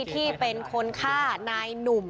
ที่เป็นคนฆ่านายหนุ่ม